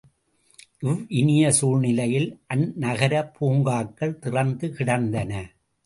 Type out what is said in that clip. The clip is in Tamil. இவ்வினிய சூழ்நிலையில் அந்நகரப் பூங்காக்கள் திறந்து கிடந்தன.